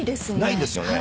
ないですよね。